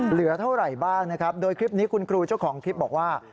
เหลือเท่าไหร่บ้างนะครับโดยคลิปนี้คุณครูเจ้าของคลิปบอกว่า